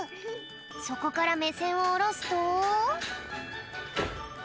そこからめせんをおろすと。